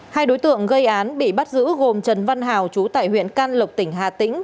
hai đối tượng gây án bị bắt giữ gồm trần văn hào chú tại huyện can lộc tỉnh hà tĩnh